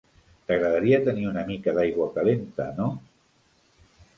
T'agradaria tenir una mica d'aigua calenta, no?